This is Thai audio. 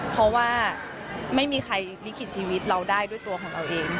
เพราะว่าไม่มีใครลิขิตชีวิตเราได้ด้วยตัวของเราเอง